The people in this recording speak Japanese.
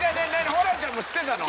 ホランちゃんも知ってたの？